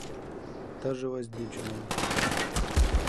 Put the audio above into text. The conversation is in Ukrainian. Та живе з дівчиною!